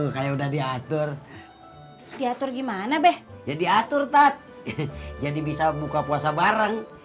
pur sakit pur